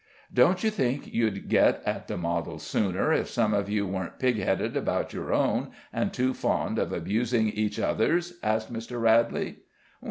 "Don't you think you'd get at the model sooner, if some of you weren't pig headed about your own, and too fond of abusing each other's?" asked Mr. Radley.